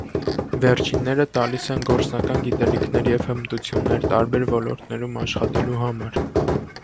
Վերջինները տալիս են գործնական գիտելիքներ և հմտություններ տարբեր ոլորտներում աշխատելու համար։